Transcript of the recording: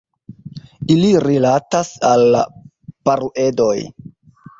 Ili rilatas al la Paruedoj.